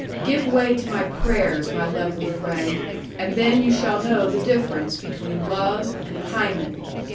Give way to my prayers, my lovely friend, and then you shall know the difference between Love and Hymen.